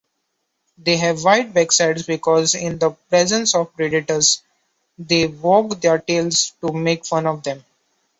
They have white backsides because, in the presence of predators, they wag their tails to make fun of them